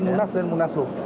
timunas dan munasluk